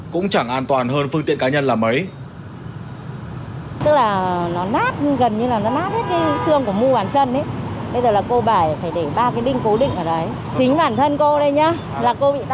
cũng rất là nguy hiểm cơ